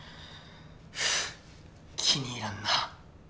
気に入らんな。